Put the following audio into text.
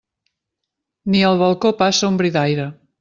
Ni al balcó passa un bri d'aire.